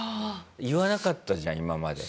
言わなかったじゃん今まで。